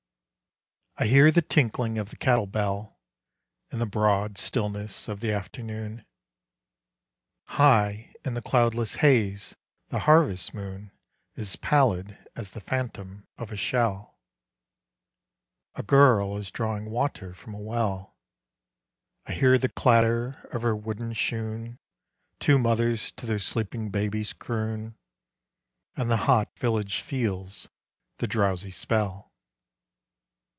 _) I hear the tinkling of the cattle bell, In the broad stillness of the afternoon; High in the cloudless haze the harvest moon Is pallid as the phantom of a shell. A girl is drawing water from a well, I hear the clatter of her wooden shoon; Two mothers to their sleeping babies croon, And the hot village feels the drowsy spell.